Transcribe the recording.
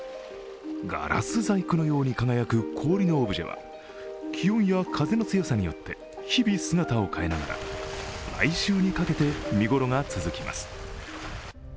ガラス細工のように輝く氷のオブジェは気温や風の強さによって日々、姿を変えながら来週にかけて見ごろが続きます。